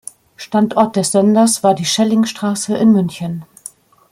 Standort des Senders war die Schellingstraße in München.